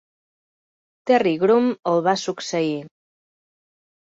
Terry Groom el va succeir.